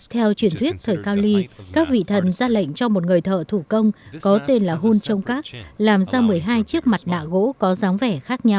theo truyền thuyết thời cao ly các vị thần ra lệnh cho một người thợ thủ công có tên là hun chongkak làm ra một mươi hai chiếc mặt nạ gỗ có dáng vẻ